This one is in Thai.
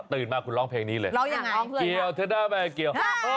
ตื่นมาคุณร้องเพลงนี้เลย